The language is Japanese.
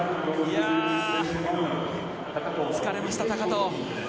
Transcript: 疲れました、高藤。